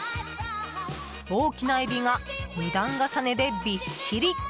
大きなエビが二段重ねでびっしり。